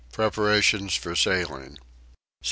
Preparations for sailing. 1789.